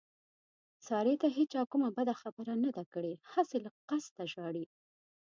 سارې ته هېچا کومه بده خبره نه ده کړې، هسې له قسته ژاړي.